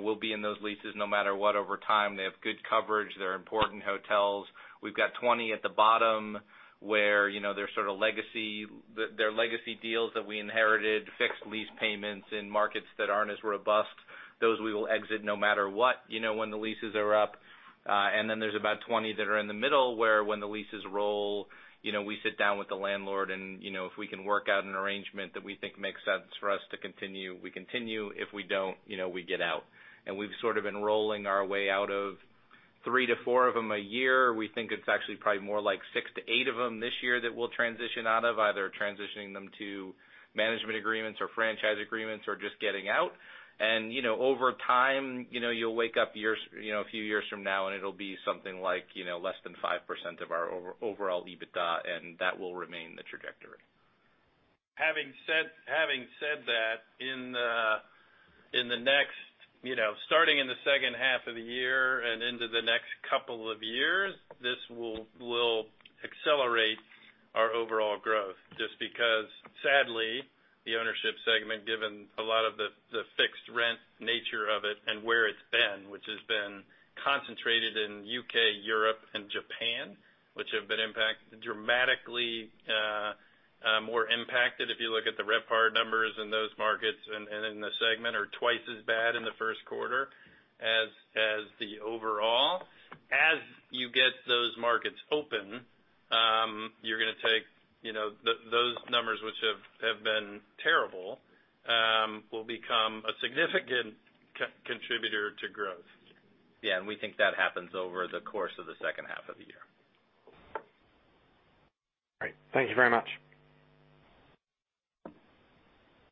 We'll be in those leases no matter what over time. They have good coverage. They're important hotels. We've got 20 at the bottom where they're legacy deals that we inherited, fixed lease payments in markets that aren't as robust. Those we will exit no matter what when the leases are up. There's about 20 that are in the middle where when the leases roll, we sit down with the landlord, and if we can work out an arrangement that we think makes sense for us to continue, we continue. If we don't, we get out. We've sort of been rolling our way out of three to four of them a year. We think it's actually probably more like six to eight of them this year that we'll transition out of, either transitioning them to management agreements or franchise agreements or just getting out. Over time, you'll wake up a few years from now, and it'll be something like less than 5% of our overall EBITDA, and that will remain the trajectory. Having said that, starting in the second half of the year and into the next couple of years, this will accelerate our overall growth. Just because, sadly, the ownership segment, given a lot of the fixed rent nature of it and where it's been, which has been concentrated in U.K., Europe, and Japan, which have been dramatically more impacted if you look at the RevPAR numbers in those markets and in the segment are twice as bad in the first quarter as the overall. As you get those markets open, you're going to take those numbers which have been terrible, will become a significant contributor to growth. Yeah. We think that happens over the course of the second half of the year. Great. Thank you very much.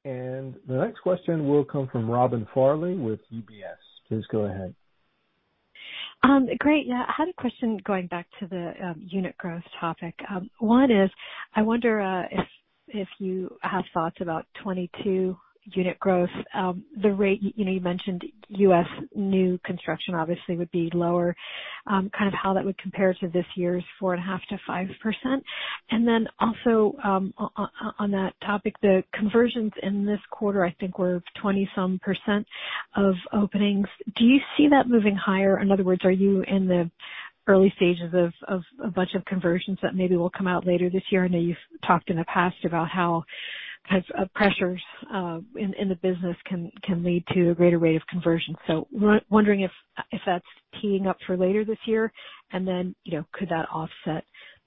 The next question will come from Robin Farley with UBS. Please go ahead. Great. Yeah. I had a question going back to the unit growth topic. One is, I wonder if you have thoughts about 2022 unit growth. The rate, you mentioned U.S. new construction obviously would be lower. Kind of how that would compare to this year's 4.5%-5%. Then also on that topic, the conversions in this quarter, I think were 20-some% of openings. Do you see that moving higher? In other words, are you in the early stages of a bunch of conversions that maybe will come out later this year? I know you've talked in the past about kinds of pressures in the business can lead to a greater rate of conversion. Wondering if that's teeing up for later this year, and then could that offset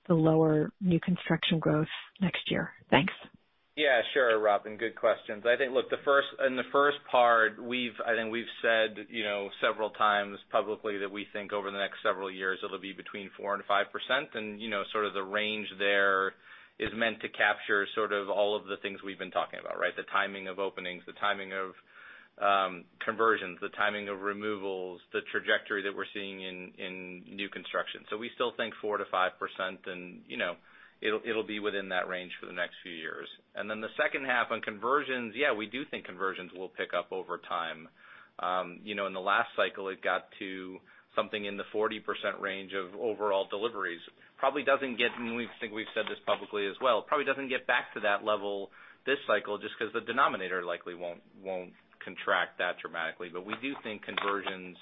the lower new construction growth next year? Thanks. Yeah, sure, Robin. Good questions. I think, look, in the first part, I think we've said several times publicly that we think over the next several years, it'll be between 4% and 5%. Sort of the range there is meant to capture sort of all of the things we've been talking about, right? The timing of openings, the timing of conversions, the timing of removals, the trajectory that we're seeing in new construction. So we still think 4% to 5% and it'll be within that range for the next few years. Then the second half on conversions, yeah, we do think conversions will pick up over time. In the last cycle, it got to something in the 40% range of overall deliveries. We think we've said this publicly as well, probably doesn't get back to that level this cycle just because the denominator likely won't contract that dramatically. We do think conversions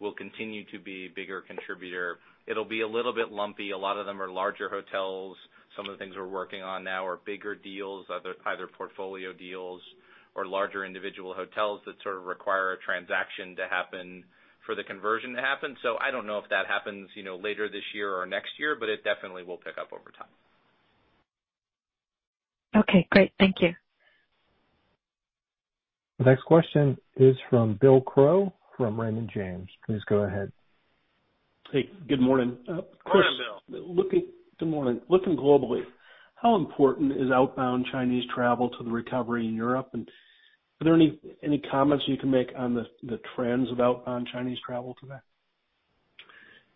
will continue to be a bigger contributor. It'll be a little bit lumpy. A lot of them are larger hotels. Some of the things we're working on now are bigger deals, either portfolio deals or larger individual hotels that sort of require a transaction to happen for the conversion to happen. I don't know if that happens later this year or next year, but it definitely will pick up over time. Okay, great. Thank you. The next question is from Bill Crow from Raymond James. Please go ahead. Hey, good morning. Morning, Bill. Good morning. Looking globally, how important is outbound Chinese travel to the recovery in Europe? Are there any comments you can make on the trends of outbound Chinese travel today?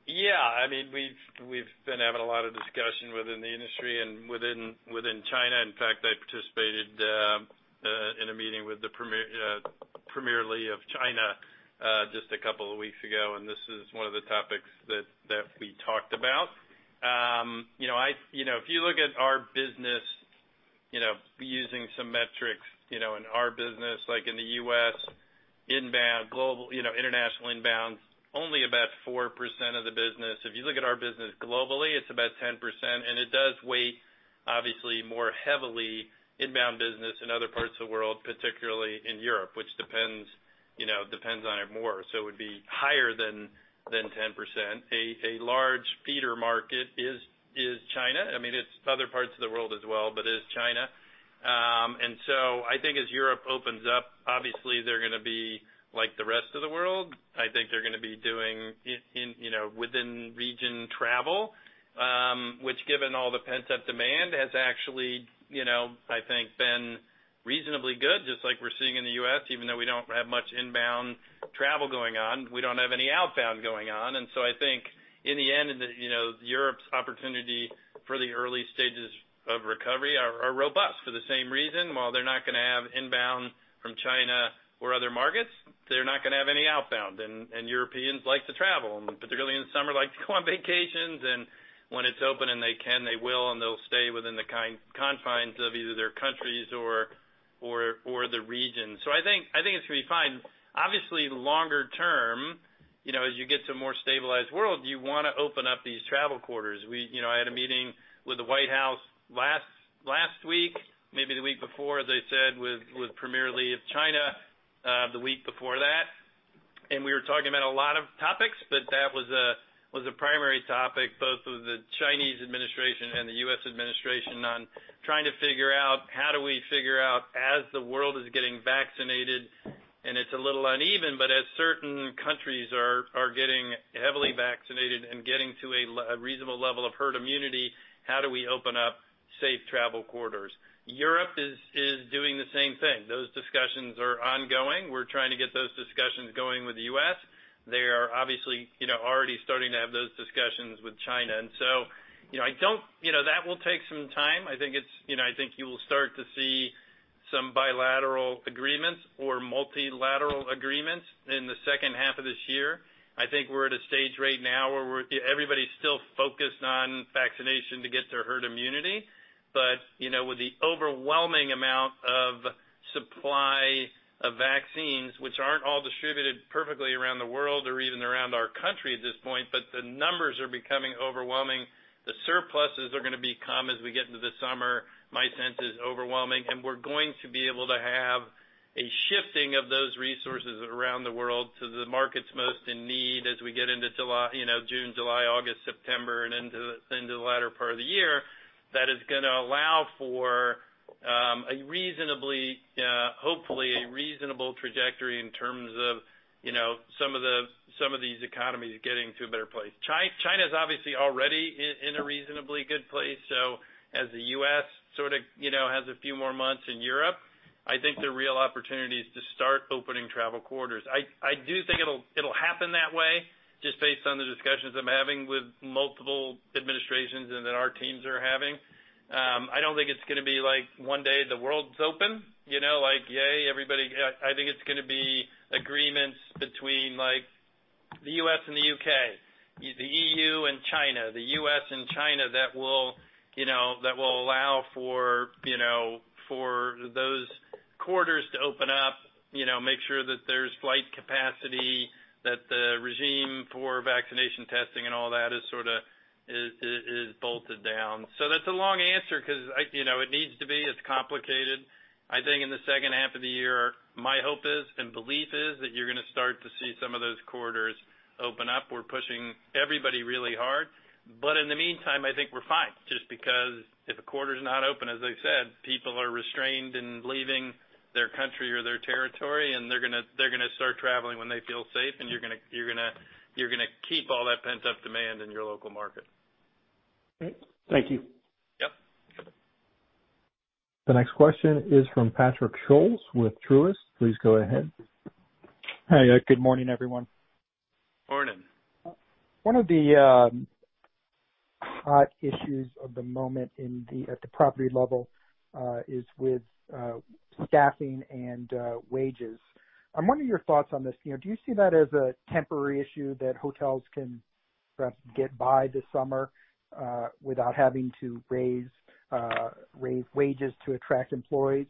Yeah. We've been having a lot of discussion within the industry and within China. In fact, I participated in a meeting with Premier Li of China just a couple of weeks ago. This is one of the topics that we talked about. If you look at our business using some metrics in our business like in the U.S., international inbound, only about 4% of the business. If you look at our business globally, it's about 10%. It does weigh obviously more heavily inbound business in other parts of the world, particularly in Europe, which depends on it more. It would be higher than 10%. A large feeder market is China. It's other parts of the world as well, but is China. I think as Europe opens up, obviously they're going to be like the rest of the world. I think they're going to be doing within region travel, which given all the pent-up demand has actually, I think been reasonably good, just like we're seeing in the U.S. Even though we don't have much inbound travel going on, we don't have any outbound going on. I think in the end, Europe's opportunity for the early stages of recovery are robust for the same reason. While they're not going to have inbound from China or other markets, they're not going to have any outbound. Europeans like to travel, and particularly in summer, like to go on vacations and when it's open and they can, they will, and they'll stay within the confines of either their countries or the region. I think it's going to be fine. Obviously, longer term, as you get to a more stabilized world, you want to open up these travel corridors. I had a meeting with the White House last week, maybe the week before, as I said, with Premier Li of China the week before that, and we were talking about a lot of topics, but that was a primary topic, both of the Chinese administration and the U.S. administration on trying to figure out how do we figure out as the world is getting vaccinated, and it's a little uneven, but as certain countries are getting heavily vaccinated and getting to a reasonable level of herd immunity, how do we open up safe travel corridors? Europe is doing the same thing. Those discussions are ongoing. We're trying to get those discussions going with the U.S. They are obviously already starting to have those discussions with China, and so that will take some time. I think you will start to see some bilateral agreements or multilateral agreements in the second half of this year. I think we're at a stage right now where everybody's still focused on vaccination to get their herd immunity. With the overwhelming amount of supply of vaccines, which aren't all distributed perfectly around the world or even around our country at this point, but the numbers are becoming overwhelming. The surpluses are going to become as we get into the summer, my sense, is overwhelming, and we're going to be able to have a shifting of those resources around the world to the markets most in need as we get into June, July, August, September, and into the latter part of the year. That is going to allow for, hopefully, a reasonable trajectory in terms of some of these economies getting to a better place. China's obviously already in a reasonably good place. As the U.S. sort of has a few more months in Europe, I think the real opportunity is to start opening travel corridors. I do think it'll happen that way just based on the discussions I'm having with multiple administrations and that our teams are having. I don't think it's going to be like one day the world's open, like, yay, everybody. I think it's going to be agreements between the U.S. and the U.K., the EU and China, the U.S. and China that will allow for those corridors to open up, make sure that there's flight capacity, that the regime for vaccination testing and all that is sort of bolted down. That's a long answer because it needs to be. It's complicated. I think in the second half of the year, my hope is and belief is that you're going to start to see some of those corridors open up. We're pushing everybody really hard. In the meantime, I think we're fine just because if a corridor's not open, as I said, people are restrained in leaving their country or their territory, and they're going to start traveling when they feel safe. You're going to keep all that pent-up demand in your local market. Great. Thank you. Yep. The next question is from Patrick Scholes with Truist. Please go ahead. Hi. Good morning, everyone. Morning. One of the hot issues of the moment at the property level is with staffing and wages. I'm wondering your thoughts on this. Do you see that as a temporary issue that hotels can perhaps get by this summer, without having to raise wages to attract employees?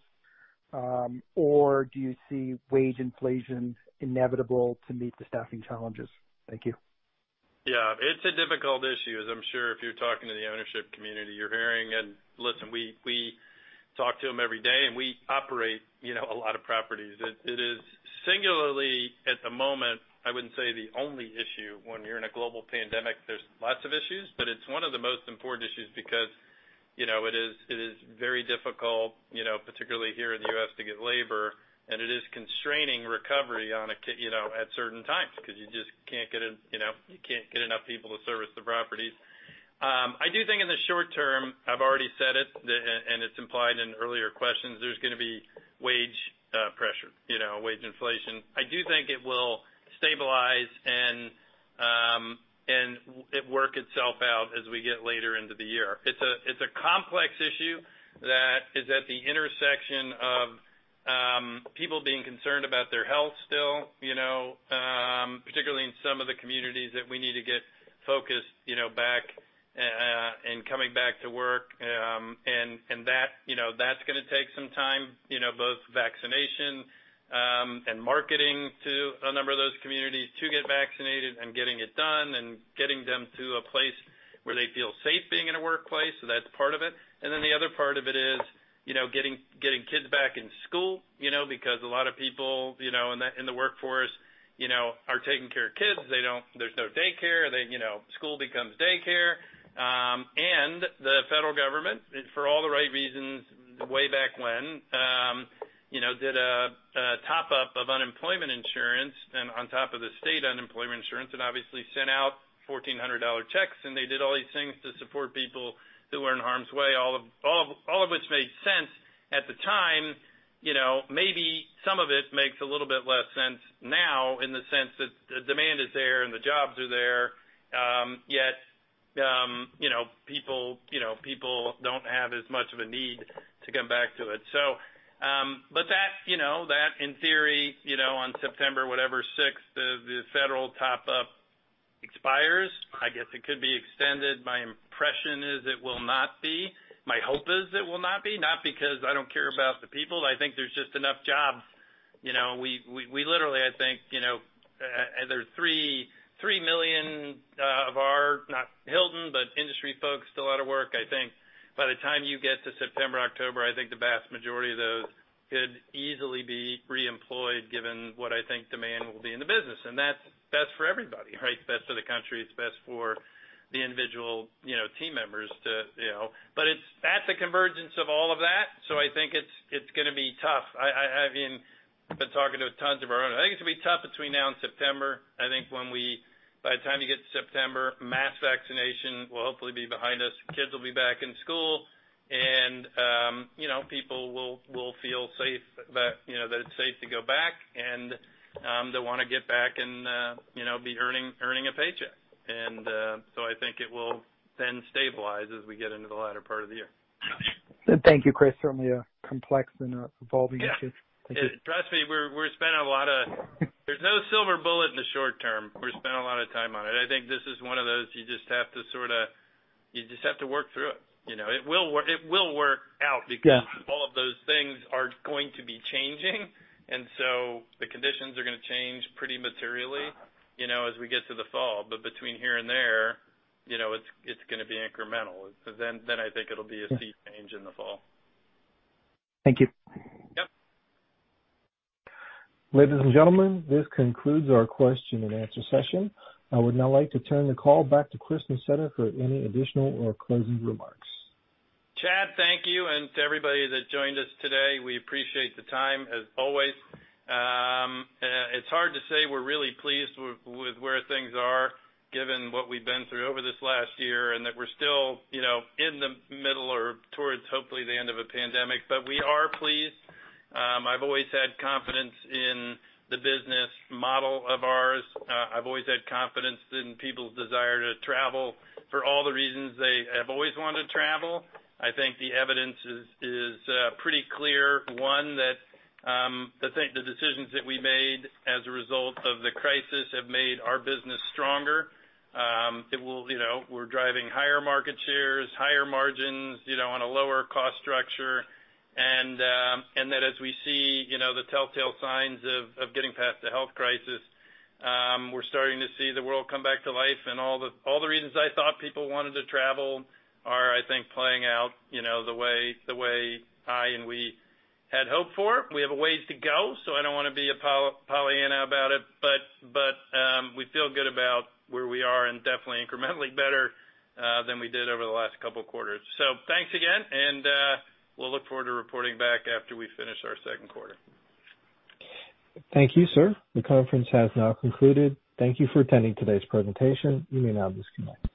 Do you see wage inflation inevitable to meet the staffing challenges? Thank you. It's a difficult issue, as I'm sure if you're talking to the ownership community, you're hearing. Listen, we talk to them every day, and we operate a lot of properties. It is singularly, at the moment, I wouldn't say the only issue. When you're in a global pandemic, there's lots of issues, but it's one of the most important issues because it is very difficult, particularly here in the U.S., to get labor, and it is constraining recovery at certain times because you just can't get enough people to service the properties. I do think in the short term, I've already said it, and it's implied in earlier questions, there's going to be wage pressure, wage inflation. I do think it will stabilize and it work itself out as we get later into the year. It's a complex issue that is at the intersection of people being concerned about their health still, particularly in some of the communities that we need to get focused back and coming back to work. That's going to take some time, both vaccination and marketing to a number of those communities to get vaccinated, and getting it done, and getting them to a place where they feel safe being in a workplace. That's part of it. The other part of it is getting kids back in school, because a lot of people in the workforce are taking care of kids. There's no daycare, then school becomes daycare. The federal government, for all the right reasons way back when, did a top-up of unemployment insurance and on top of the state unemployment insurance, and obviously sent out $1,400 checks, and they did all these things to support people that were in harm's way, all of which made sense at the time. Maybe some of it makes a little bit less sense now in the sense that the demand is there and the jobs are there, yet people don't have as much of a need to come back to it. That, in theory, on September, whatever, 6th, the federal top-up expires. I guess it could be extended. My impression is it will not be. My hope is it will not be, not because I don't care about the people. I think there's just enough jobs. We literally, I think, there's 3 million of our, not Hilton, but industry folks still out of work. I think by the time you get to September, October, I think the vast majority of those could easily be reemployed given what I think demand will be in the business. That's best for everybody, right? It's best for the country. It's best for the individual team members. That's a convergence of all of that. I think it's going to be tough. I've been talking to tons of our own. I think it's going to be tough between now and September. I think by the time you get to September, mass vaccination will hopefully be behind us. Kids will be back in school, and people will feel that it's safe to go back, and they'll want to get back and be earning a paycheck. I think it will then stabilize as we get into the latter part of the year. Thank you, Chris. Certainly a complex and evolving issue. Yeah. Thank you. Trust me. There's no silver bullet in the short term. We're spending a lot of time on it. I think this is one of those, you just have to work through it. It will work out. Yeah All of those things are going to be changing. The conditions are going to change pretty materially as we get to the fall. Between here and there, it's going to be incremental. I think it'll be a sea change in the fall. Thank you. Yep. Ladies and gentlemen, this concludes our question and answer session. I would now like to turn the call back to Chris Nassetta for any additional or closing remarks. Chad, thank you, and to everybody that joined us today. We appreciate the time, as always. It's hard to say we're really pleased with where things are, given what we've been through over this last year, and that we're still in the middle or towards, hopefully, the end of a pandemic, but we are pleased. I've always had confidence in the business model of ours. I've always had confidence in people's desire to travel for all the reasons they have always wanted to travel. I think the evidence is pretty clear. One, that the decisions that we made as a result of the crisis have made our business stronger. We're driving higher market shares, higher margins on a lower cost structure. That as we see the telltale signs of getting past the health crisis, we're starting to see the world come back to life, and all the reasons I thought people wanted to travel are, I think, playing out the way I and we had hoped for. We have a ways to go, so I don't want to be a Pollyanna about it, but we feel good about where we are, and definitely incrementally better than we did over the last couple of quarters. Thanks again, and we'll look forward to reporting back after we finish our second quarter. Thank you, sir. The conference has now concluded. Thank you for attending today's presentation. You may now disconnect.